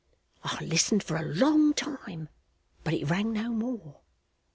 I listened for a long time, but it rang no more.